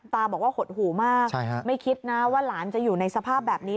ตาบอกว่าหดหูมากไม่คิดนะว่าหลานจะอยู่ในสภาพแบบนี้